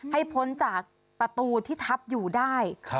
พ้นจากประตูที่ทับอยู่ได้